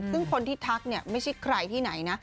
ซึ่งคนที่ทักเนี่ยไม่ใช่ใครที่ไหนนะ